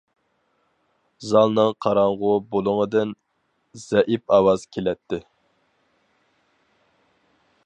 زالنىڭ قاراڭغۇ بۇلۇڭىدىن زەئىپ ئاۋاز كېلەتتى.